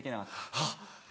あっ。